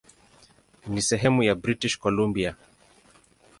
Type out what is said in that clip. Ni sehemu ya British Columbia.